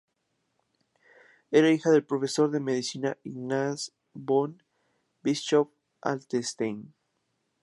Era hija del profesor de medicina Ignaz von Bischoff-Altenstein.